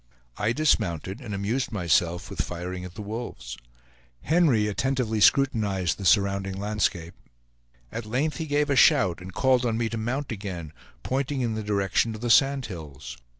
I dismounted, and amused myself with firing at the wolves. Henry attentively scrutinized the surrounding landscape; at length he gave a shout, and called on me to mount again, pointing in the direction of the sand hills.